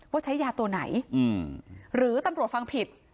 ว่าใช้ยาตัวไหนหรือตำรวจฟังผิด